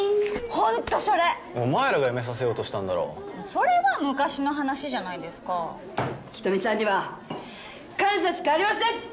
本当それお前らが辞めさせようとしたんだろそれは昔の話じゃないですか人見さんには感謝しかありません！